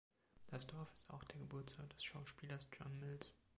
Das Dorf ist auch der Geburtsort des Schauspielers John Mills.